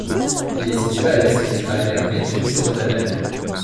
Il est situé à l'Est des cratères Metius et Brenner.